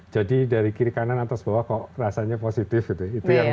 jadi dari kiri kanan atas bawah kok rasanya positif gitu ya